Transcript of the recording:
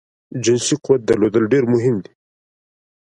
جنسی قوت درلودل ډیر مهم دی